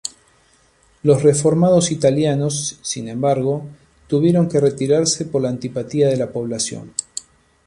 Los reformados italianos, sin embargo, tuvieron que retirarse por la antipatía de la población.